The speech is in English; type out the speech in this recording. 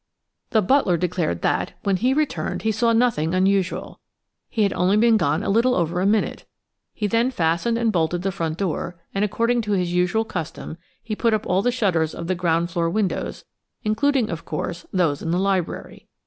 The butler declared that, when he returned, he saw nothing unusual. He had only been gone a little over a minute; he then fastened and bolted the front door, and, according to his usual custom, he put up all the shutters of the ground floor windows, including, of course, those in the library.